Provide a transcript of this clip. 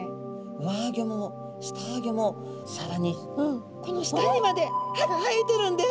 上あギョも下あギョもさらにこの舌にまで歯が生えてるんです。